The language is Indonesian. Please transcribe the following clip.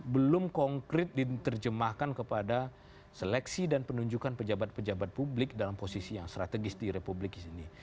belum konkret diterjemahkan kepada seleksi dan penunjukan pejabat pejabat publik dalam posisi yang strategis di republik ini